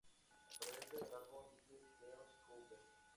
Aparece en el álbum "Little Deuce Coupe".